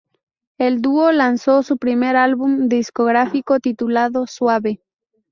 El dúo lanzó su primer álbum discográfico titulado "Suave".